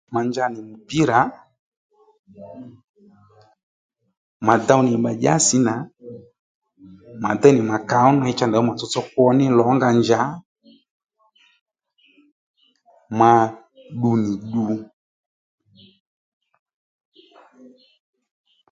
Ma nja nì mupira, mà dòw nì mà dyási nà mà déynì mà kàó ney cha ndèy dho matsotso kwo ní lò ó nga njà ma ddu nì ddu